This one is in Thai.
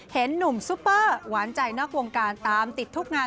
เห็นหนุ่มซุปเปอร์หวานใจนอกวงการตามติดทุกงาน